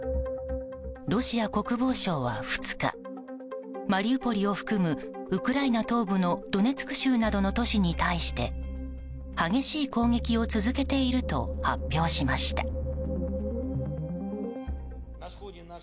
ロシア国防省は２日マリウポリを含むウクライナ東部のドネツク州などの都市に対して激しい攻撃を続けていると発表しました。